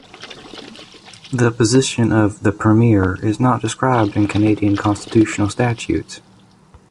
The position of the Premier is not described in Canadian constitutional statutes.